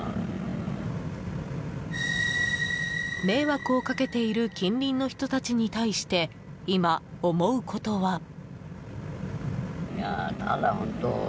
迷惑をかけている近隣の人たちに対して今、思うことは。